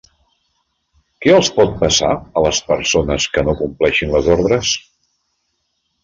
Què els pot passar a les persones que no compleixin les ordres?